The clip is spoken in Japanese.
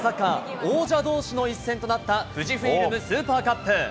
王者どうしの一戦となったフジフイルムスーパーカップ。